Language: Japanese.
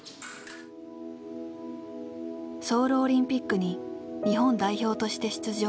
ソウルオリンピックに日本代表として出場。